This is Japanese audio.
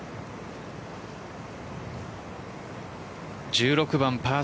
１６番パー